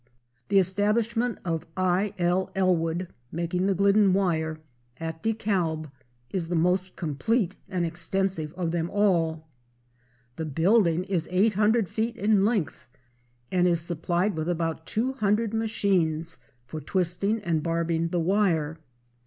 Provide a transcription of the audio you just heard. The establishment of I.L. Ellwood (making the Glidden wire) at DeKalb is the most complete and extensive of them all. The building is 800 feet in length, and is supplied with about 200 machines for twisting and barbing the wire.